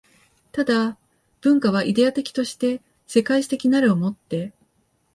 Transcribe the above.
但、文化はイデヤ的として世界史的なるを以て